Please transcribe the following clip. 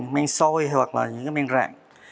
men soi hoặc là những men rạng